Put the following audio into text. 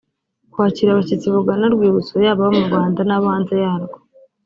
kwakira abashyitsi bagana urwibutso yaba abo mu Rwamda n’abo hanze yarwo